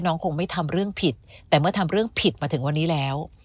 คงไม่ทำเรื่องผิดแต่เมื่อทำเรื่องผิดมาถึงวันนี้แล้ว